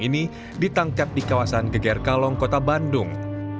ini ditangkap di kawasan gegerkalong kota bandung